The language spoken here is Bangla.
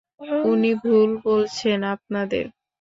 উনি ভুল বলছেন আপনাদের!